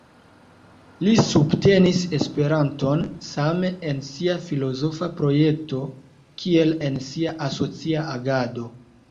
Li subtenis Esperanton same en sia filozofa projekto kiel en sia asocia agado.